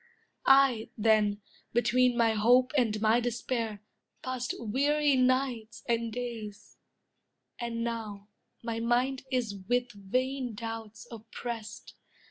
I, then, between my hope And my despair, passed weary nights and days; And now, my mind is with vain doubts oppressed.